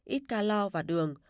ít calor và đường